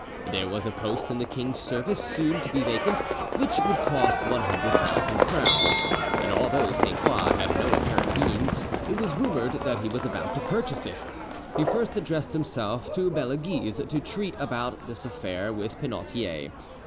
There was a post in the king's service soon to be vacant, which would cost 100,000 crowns; and although Sainte Croix had no apparent means, it was rumoured that he was about to purchase it. He first addressed himself to Belleguise to treat about this affair with Penautier.